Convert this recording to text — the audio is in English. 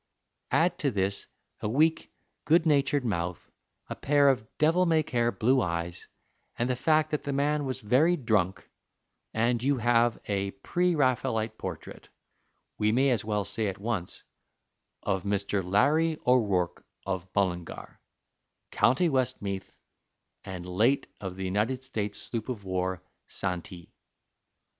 Add to this a weak, good natured mouth, a pair of devil may care blue eyes, and the fact that the man was very drunk, and you have a pre Raphaelite portrait we may as well say at once of Mr. Larry O'Rourke of Mullingar, County Westmeath, and late of the United States sloop of war Santee.